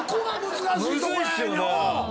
むずいっすよね。